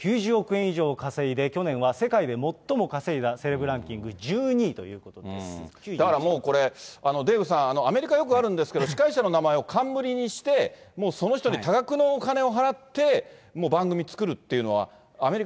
９０億円以上を稼いで去年は世界で最も稼いだセレブランキンだからもうこれ、デーブさん、アメリカではよくあるんですけれども、司会者の名前を冠にして、もうその人に多額のお金を払って、番組作るっていうのは、アメリカ